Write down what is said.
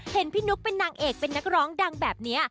เห็นพี่นุ๊กเป็นนางเอกเป็นนักร้องดังแบบนี้